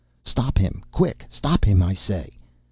Stop him! Quick! Stop him, I say!"